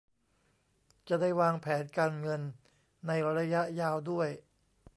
จะได้วางแผนการเงินในระยะยาวด้วย